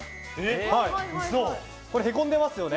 へこんでますよね。